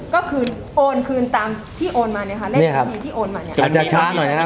ก็คืนโอนคืนตามที่โอนมาเลขบัญชีที่โอนมา